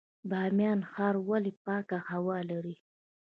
بامیان ښار ولې پاکه هوا لري؟